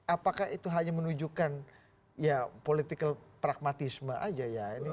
apakah itu hanya menunjukkan ya political pragmatisme aja ya